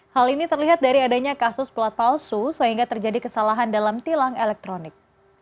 hal ini terlihat dari adanya kasus pelat palsu sehingga terjadi kesalahan dalam tilang elektronik